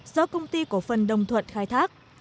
do công ty cổ phần đồng thuận khai thác